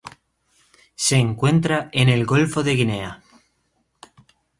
Se encuentra en el Golfo de Guinea.